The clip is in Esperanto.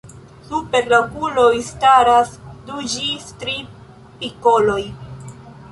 Super la okuloj staras du ĝis tri pikiloj.